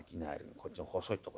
こっちの細いとこ行こう。